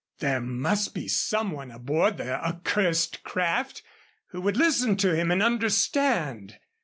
There must be some one aboard the accursed craft who would listen to him and understand.